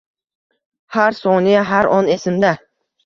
Har soniya, har on esimda.